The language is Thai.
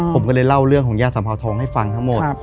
ผมก็เลยเล่าเรื่องของย่าสัมภาวทองให้ฟังทั้งหมด